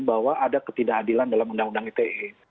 bahwa ada ketidakadilan dalam undang undang ite